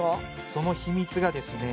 その秘密がですね